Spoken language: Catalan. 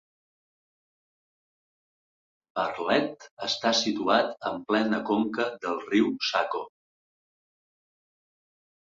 Bartlett està situat en plena conca del riu Saco.